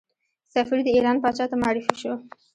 سفیر د ایران پاچا ته معرفي شو.